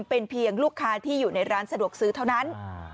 เป็นเพียงลูกค้าที่อยู่ในร้านสะดวกซื้อเท่านั้น